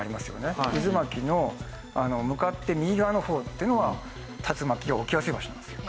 渦巻きの向かって右側の方っていうのは竜巻が起きやすい場所なんですよ。